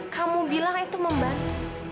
kamu bilang itu membantu